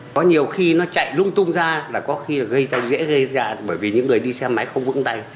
có nhiều khi nó chạy lung tung ra là có khi là gây ra dễ gây ra bởi vì những người đi xe máy không vững tay